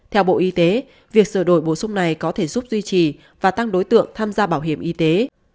theo bộ y tế việc sửa đổi bổ sung này có thể giúp duy trì và tăng đối tượng tham gia bảo hiểm y tế